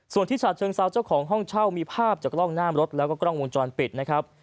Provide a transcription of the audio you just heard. ส่วนที่ฉาเชิงเซาเจ้าของห้องเช่ามีภาพจากกล้องหน้ามรถแล้วก็กล้องวงจรปิดนะครับ